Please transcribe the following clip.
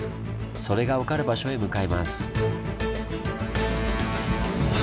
それが分かる場所へ向かいます。